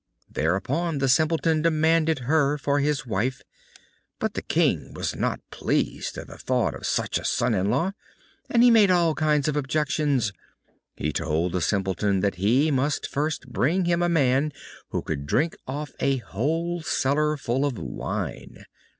Thereupon the Simpleton demanded her for his wife, but the King was not pleased at the thought of such a son in law, and he made all kinds of objections. He told the Simpleton that he must first bring him a man who could drink off a whole cellarful of wine.